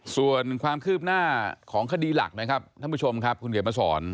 ส่วนความคืบหน้าของคดีหลักนะครับท่านผู้ชมครับคุณเขียนมาสอน